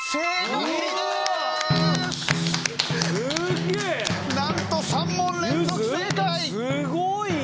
すごいな！